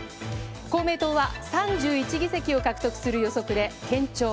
公明党は３１議席を獲得する予測で、堅調。